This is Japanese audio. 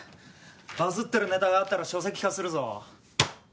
バズってるネタがあったら書籍化するぞ。